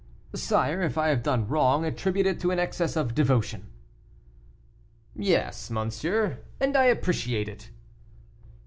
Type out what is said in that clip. "Sire, if I have done wrong, attribute it to an excess of devotion." "Yes, monsieur, and I appreciate it."